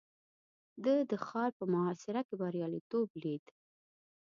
ده د ښار په محاصره کې برياليتوب ليد.